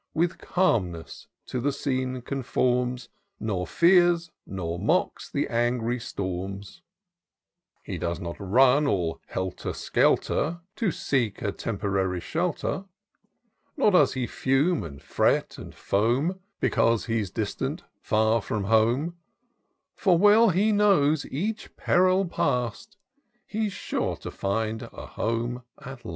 With calmness to the scene conforms. Nor fears nor mocks the angry storms : He does not run, all helter skelter, To seek a temporary shelter ; Nor does he fiime, and fret, and foam, Because he's distant far from home ; For well he knows, each peril past, He's sure to find a home at last.